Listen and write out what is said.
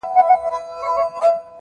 په تياره كي د جگړې په خلاصېدو سو -